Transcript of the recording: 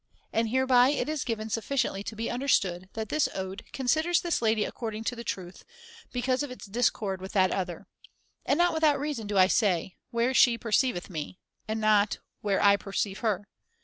And hereby it is given ^^*^*P® sufficiently to be understood that this [^303 ode considers this lady according to the truth, because of its discord with that other. And not without reason do I say ; Where she perce'tveth me, and not ' where I perceive her.'